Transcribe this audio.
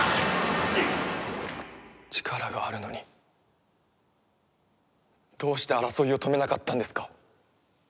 力があるのにどうして争いを止めなかったんですか？